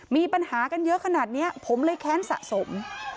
มีปัญหากันเยอะขนาดนี้ผมเลยแค้นสะสม